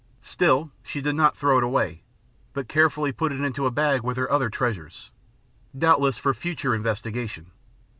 Still she did not throw it away, but carefully put it into a bag with her other treasures doubtless for future investigation.